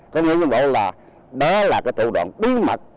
có nhuận bảo là đó là cái tựu đoạn bí mật